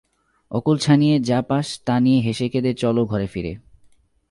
অকূল ছানিয়ে যা পাস তা নিয়ে হেসে কেঁদে চলো ঘরে ফিরে।